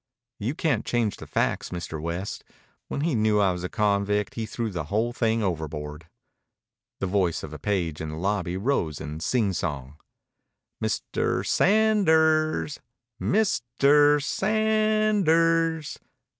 "You can't change the facts, Mr. West. When he knew I was a convict he threw the whole thing overboard." The voice of a page in the lobby rose in sing song. "Mister Sa a anders. Mis ter Sa a a anders."